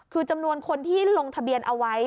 คือจำนวนคนที่ลงทะเบียนเอาไว้